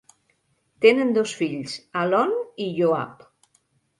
Tenen dos fills, Alon i Yoav.